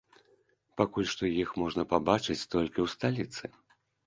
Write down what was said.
Пакуль што іх можна пабачыць толькі ў сталіцы.